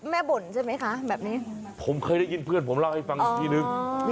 แล้วคุณก็ต้องจ่ายเงินค่าสปาใช่ไหม